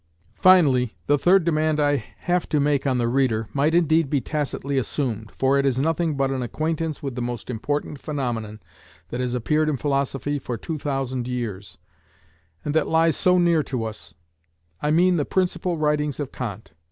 Finally, the third demand I have to make on the reader might indeed be tacitly assumed, for it is nothing but an acquaintance with the most important phenomenon that has appeared in philosophy for two thousand years, and that lies so near us: I mean the principal writings of Kant.